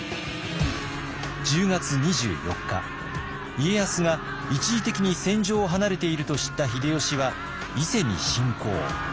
家康が一時的に戦場を離れていると知った秀吉は伊勢に侵攻。